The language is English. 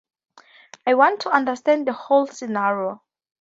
I want to understand the whole scenario.